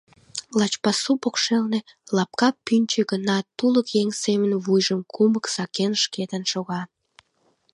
лач пасу покшелне лапка пӱнчӧ гына, тулык еҥ семын вуйжым кумык сакен, шкетын шога.